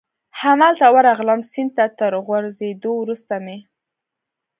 همالته ورغلم، سیند ته تر غورځېدو وروسته مې.